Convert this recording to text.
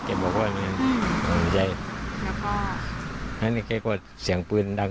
แล้วก็แล้วนี่เคยกดเสียงปืนดัง